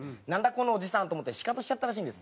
このおじさんと思ってシカトしちゃったらしいんですね。